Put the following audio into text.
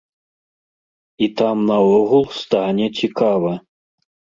І там наогул стане цікава.